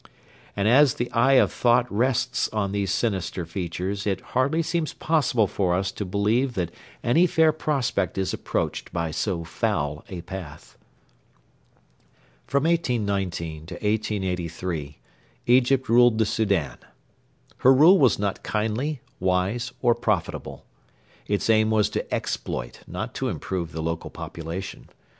And as the eye of thought rests on these sinister features, it hardly seems possible for us to believe that any fair prospect is approached by so foul a path. From 1819 to 1883 Egypt ruled the Soudan. Her rule was not kindly, wise, or profitable. Its aim was to exploit, not to improve the local population.